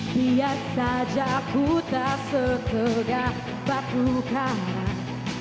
biar saja ku tak seharu bunga malam